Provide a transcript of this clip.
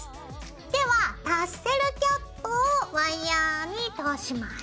ではタッセルキャップをワイヤーに通します。